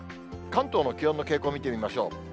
関東の気温の傾向見てみましょう。